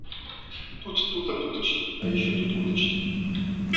Тут, тута, туточки. А ещё тут уточки.